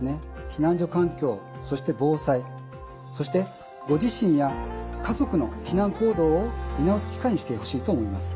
避難所環境そして防災そしてご自身や家族の避難行動を見直す機会にしてほしいと思います。